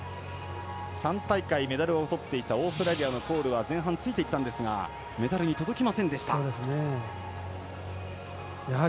３大会、メダルをとっていたオーストラリアのコールは前半ついていったんですがメダルに届きませんでした。